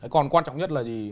còn quan trọng nhất là gì